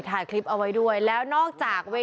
ถามเพื่อให้แน่ใจ